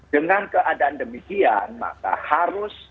dengan keadaan demikian maka harus